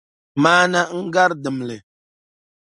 Maana n-gari dimli.